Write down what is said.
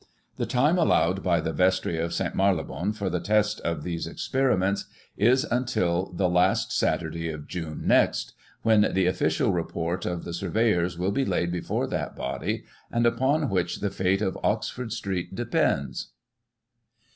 The time allowed by the Vestry of St. Marylebone for the test of these experiments, is until the last Saturday of Jime next, when the official report of the surveyors will be laid before that body, and upon which the fate of Oxford Street depends."